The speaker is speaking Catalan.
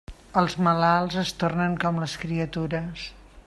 Els malalts es tornen com les criatures.